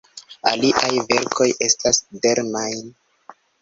Aliaj verkoj estas: "Der Main.